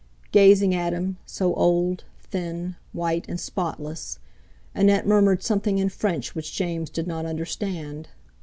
Gazing at him, so old, thin, white, and spotless, Annette murmured something in French which James did not understand.